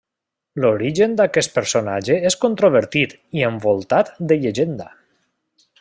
L'origen d'aquest personatge és controvertit i envoltat de llegenda.